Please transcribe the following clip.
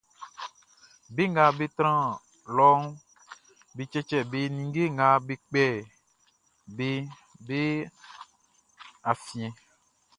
Be nga be tran lɔʼn, be cɛcɛ be ninnge nga be kpɛ beʼn be afiɛn.